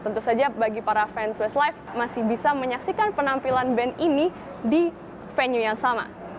tentu saja bagi para fans westlife masih bisa menyaksikan penampilan band ini di venue yang sama